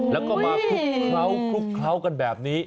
แล้วก็มาคลุกเคล้าคลุกเคล้ากันแบบนี้